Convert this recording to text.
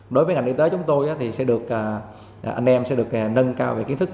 đối với ngành y tế chúng tôi thì anh em sẽ được nâng cao về kiến thức